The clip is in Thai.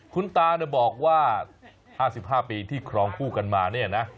คุณตาบอกว่า๕๕ปีที่ครองคู่กันมาเนี่ยนะ